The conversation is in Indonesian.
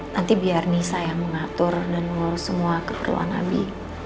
nanti biar nisa yang mengatur dan mengurus semua keperluan nabi